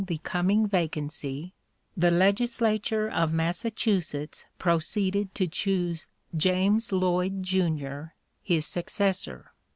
057) the coming vacancy, the legislature of Massachusetts proceeded to choose James Lloyd, junior, his successor.